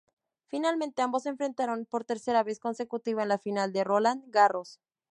Finalmente, ambos se enfrentaron por tercera vez consecutiva en la final de Roland Garros.